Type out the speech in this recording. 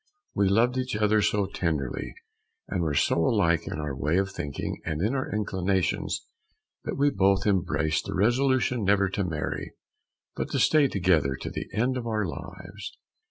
We loved each other so tenderly, and were so alike in our way of thinking and our inclinations, that we both embraced the resolution never to marry, but to stay together to the end of our lives.